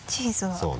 そうね。